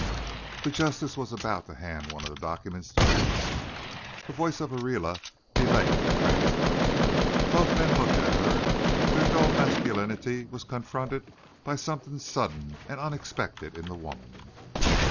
The Justice was about to hand one of the documents to Ransie. The voice of Ariela delayed the transfer. Both men looked at her. Their dull masculinity was confronted by something sudden and unexpected in the woman.